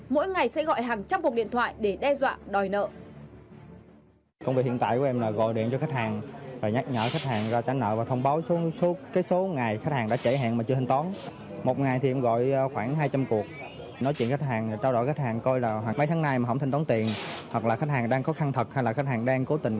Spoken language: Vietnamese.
mỗi ngày sẽ gọi hàng trăm cuộc điện thoại để đe dọa đòi nợ